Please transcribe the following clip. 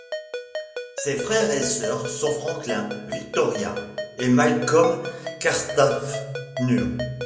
Ses frères et sœurs sont Franklin, Victoria et Malcolm Carstafhnur.